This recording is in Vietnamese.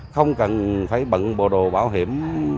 không cần phải bận bộ đồ bảo hiểm